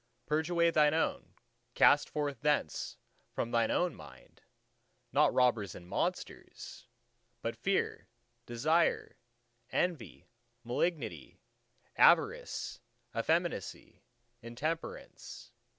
Purge away thine own, cast forth thence—from thine own mind, not robbers and monsters, but Fear, Desire, Envy, Malignity, Avarice, Effeminacy, Intemperance.